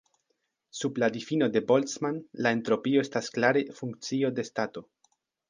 Sub la difino de Boltzmann, la entropio estas klare funkcio de stato.